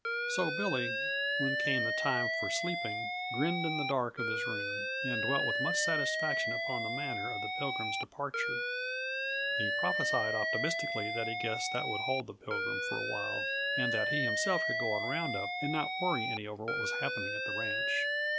So Billy, when came the time for sleeping, grinned in the dark of his room and dwelt with much satisfaction upon the manner of the Pilgrim's departure. He prophesied optimistically that he guessed that would hold the Pilgrim for a while, and that he himself could go on round up and not worry any over what was happening at the ranch.